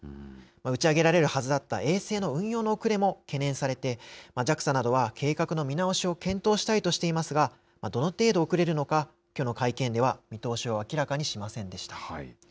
打ち上げられるはずだった衛星の運用の遅れも懸念されていて、ＪＡＸＡなどは計画の見直しを検討したいとしていますが、どの程度遅れるのか、きょうの会見では見通しを明らかにしませんでした。